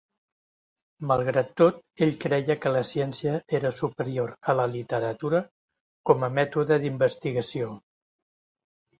Malgrat tot ell creia que la ciència era superior a la literatura com a mètode d'investigació.